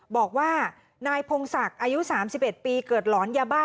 บอกว่านายพงศักดิ์อายุ๓๑ปีเกิดหลอนยาบ้า